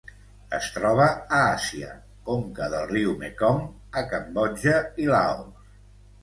Es troba a Àsia: conca del riu Mekong a Cambodja i Laos.